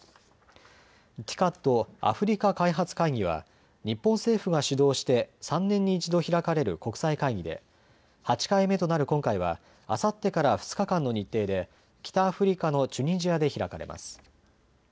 ・アフリカ開発会議は日本政府が主導して３年に１度、開かれる国際会議で８回目となる今回はあさってから２日間の日程で北アフリカのチュニジアで開かれます。